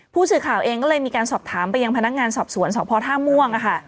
ผู้สื่อข่าวเองก็เลยมีการสอบถามไปยังพนักงานสอบสวนสพท่าม่วง